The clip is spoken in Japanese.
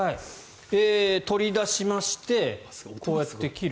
取り出しましてこうやって切る。